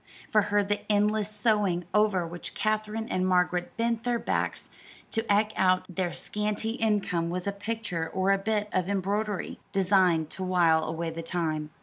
For her the endless sewing over which Katherine and Margaret bent their backs to eke out their scanty income was a picture or a bit of embroidery, designed to while away the time.